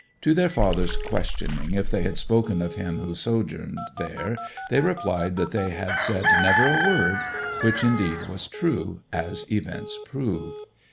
To their father's questioning if they had spoken of him who sojourned there they replied that they had said never a word; which, indeed, was true, as events proved.